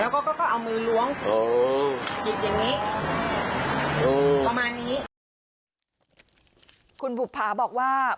คุณบุภาบอกว่า